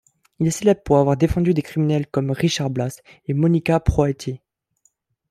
Il est célèbre pour avoir défendu des criminels comme Richard Blass et Monica Proietti.